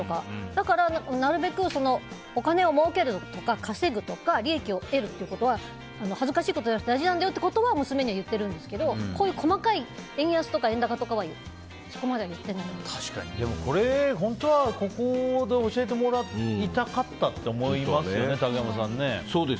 だから、なるべくお金をもうけるとか稼ぐとか利益を得るということは恥ずかしいことじゃなくて大事なんだよとは娘に言ってるんですけどこういう細かい円安とかこれ、本当はここで教えてもらいたかったって思いますよね、竹山さん。